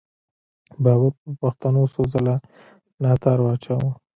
بابر پر پښتنو څو څله ناتار واچاوو.